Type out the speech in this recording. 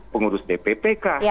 pengurus dpp kah